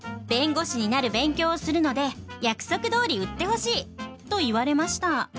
弁護士になる勉強をするので約束どおり売ってほしい」と言われました。